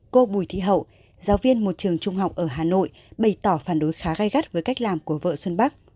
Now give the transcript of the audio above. cô bùi thị hậu giáo viên một trường trung học ở hà nội bày tỏ phản đối khá gai gắt với cách làm của vợ xuân bắc